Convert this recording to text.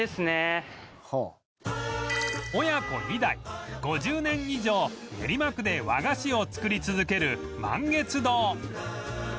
親子２代５０年以上練馬区で和菓子を作り続ける満月堂